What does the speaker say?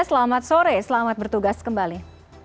selamat sore selamat bertugas kembali